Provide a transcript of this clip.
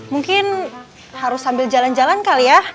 mungkin harus sambil jalan jalan kali ya